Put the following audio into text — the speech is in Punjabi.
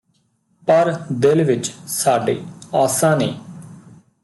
ਪਰ ਦਿਲ ਵਿੱਚ ਸਾਡੇ ਆਸਾਂ ਨੇ